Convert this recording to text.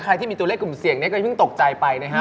ใครที่มีตัวเลขกลุ่มเสียงก็อย่าเพิ่งตกใจไปนะครับ